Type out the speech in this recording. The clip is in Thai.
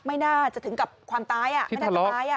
ไม่น่าจะถึงกับความตายไม่น่าจะตาย